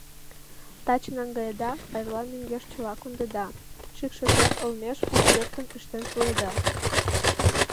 Таче наҥгаеда, а эрла мӧҥгеш чыла кондеда, шӱкшӧ пӧрт олмеш у пӧртым ыштен пуэда.